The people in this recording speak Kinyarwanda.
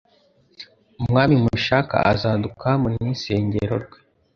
"Umwami mushaka azaduka mu nisengero rwe,